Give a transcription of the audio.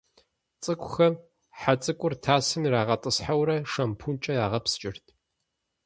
Цӏыкӏухэм хьэ цӀыкӀур тасым ирагъэтӀысхьэурэ шампункӀэ ягъэпскӀырт.